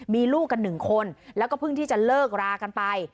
มีลูกกันหนึ่งคนแล้วก็เพิ่งที่จะเลิกรากันไป